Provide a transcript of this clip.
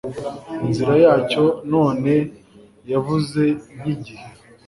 Inzira yacyo none yavuze nkigihe